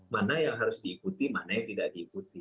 mana yang harus diikuti mana yang tidak diikuti